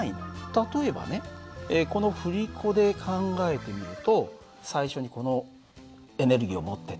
例えばねこの振り子で考えてみると最初にこのエネルギーを持ってた。